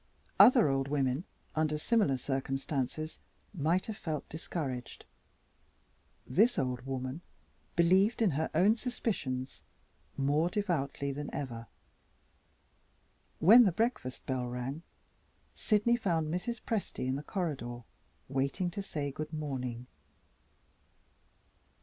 Other old women, under similar circumstances, might have felt discouraged. This old woman believed in her own suspicions more devoutly than ever. When the breakfast bell rang, Sydney found Mrs. Presty in the corridor, waiting to say good morning.